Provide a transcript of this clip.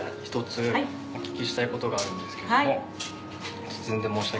一つお聞きしたいことがあるんですけども。